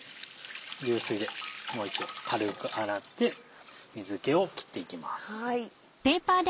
流水でもう一度軽く洗って水気を切っていきます。